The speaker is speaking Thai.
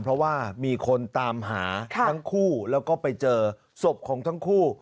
เพราะว่ามีคนตามหาทั้งคู่แล้วก็ไปเจอศพของทั้งคู่